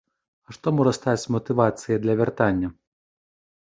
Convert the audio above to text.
А што можа стаць матывацыяй для вяртання?